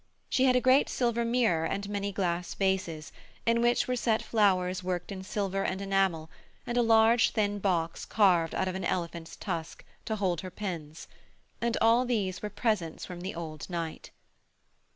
She had a great silver mirror and many glass vases, in which were set flowers worked in silver and enamel, and a large, thin box carved out of an elephant's tusk, to hold her pins; and all these were presents from the old knight.